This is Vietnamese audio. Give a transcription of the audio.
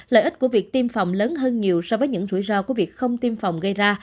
lợi ích của việc tiêm phòng lớn hơn nhiều so với những rủi ro của việc không tiêm phòng gây ra